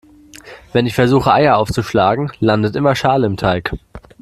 Wenn ich versuche Eier aufzuschlagen, landet immer Schale im Teig.